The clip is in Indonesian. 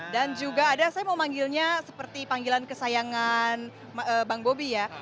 dan juga ada saya mau manggilnya seperti panggilan kesayangan bang bobi ya